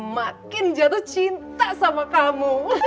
makin jatuh cinta sama kamu